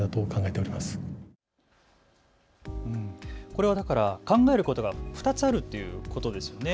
これはだから考えることが２つあるということですね。